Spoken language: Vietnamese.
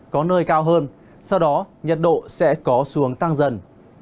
có nơi cao hơn sau đó nhiệt độ sẽ có xuống tăng dần